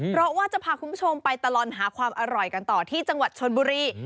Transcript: เพราะว่าจะพาคุณผู้ชมไปตลอดหาความอร่อยกันต่อที่จังหวัดชนบุรี